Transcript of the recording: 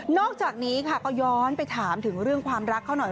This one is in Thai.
อกจากนี้ค่ะก็ย้อนไปถามถึงเรื่องความรักเขาหน่อย